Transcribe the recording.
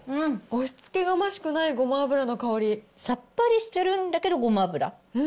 押しつけがましくない、ごま油のさっぱりしてるんだけど、ごま油。